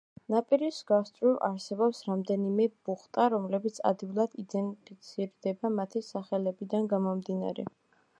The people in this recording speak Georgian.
ნაპირის გასწვრივ არსებობს რამდენიმე ბუხტა, რომლებიც ადვილად იდენტიფიცირდება მათი სახელებიდან გამომდინარე.